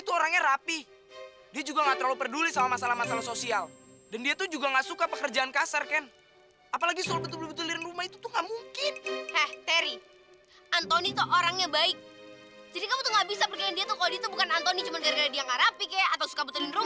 cuma gara gara dia gak rapi kek atau suka betulin rumah kek